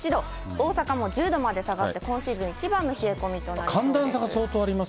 大阪も１０度まで下がって、今シーズン一番の冷え込みとなりそうです。